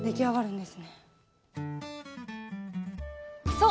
そう！